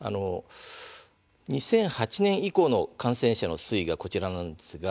２００８年以降の感染者の推移がこちらなんです。